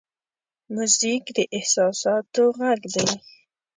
موزیک د احساساتو غږ دی.